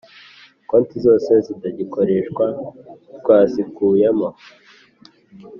konti zose zitagikoreshwa twazikuyemo